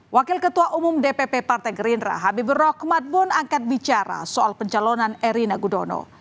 wakil ketua umum dpp partai gerindra habibur rahmat pun angkat bicara soal pencalonan erina gudono